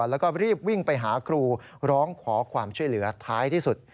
แล้วก็รีบวิ่งไปหาครูร้องขอความช่วยเหลือท้ายที่สุด